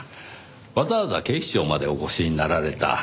わざわざ警視庁までお越しになられた。